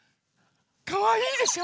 かわいいでしょ？